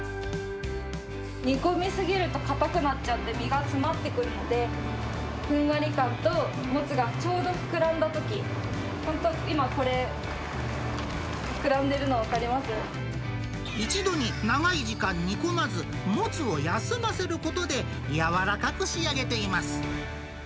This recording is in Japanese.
煮込みすぎると硬くなっちゃって身が詰まってくるので、ふんわり感ともつがちょうど膨らんだとき、本当、今、これ、一度に長い時間煮込まず、もつを休ませることでやわらかく仕上げています。